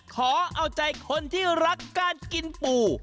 ขอเอาใจคนที่รักการกินปู